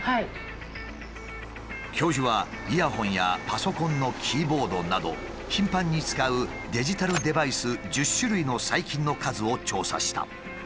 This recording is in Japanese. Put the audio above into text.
教授はイヤホンやパソコンのキーボードなど頻繁に使うデジタルデバイス１０種類の細菌の数を調査した。